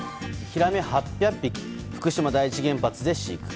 ヒラメ８００匹福島第一原発で飼育。